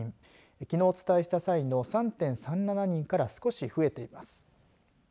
きのうお伝えした際の３．３７人から少し増えています。